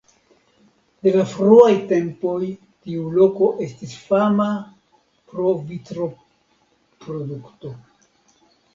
De la fruaj tempoj tiu loko estis fama pro vitroprodukto.